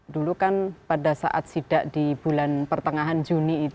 dulu kan pada saat sidak di bulan pertengahan juni itu